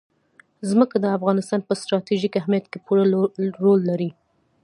ځمکه د افغانستان په ستراتیژیک اهمیت کې پوره رول لري.